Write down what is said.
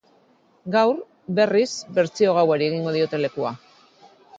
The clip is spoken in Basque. Gaur, berriz, bertsio gauari egingo diote lekua.